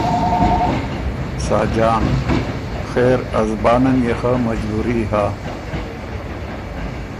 ساجان ـــ”خېر ا زبانن يې خه مجبوري هۀ،